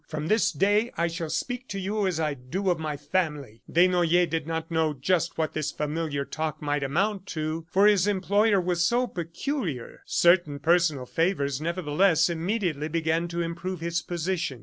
From this day I shall speak to you as I do to my family." Desnoyers did not know just what this familiar talk might amount to, for his employer was so peculiar. Certain personal favors, nevertheless, immediately began to improve his position.